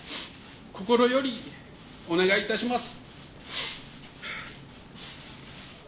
心よりお願いいたします。